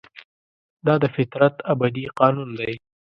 دا د فطرت ابدي قانون دی.